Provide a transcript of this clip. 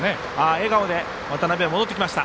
笑顔で渡邊戻ってきました。